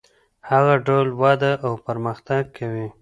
هغه ډول وده او پرمختګ کوي.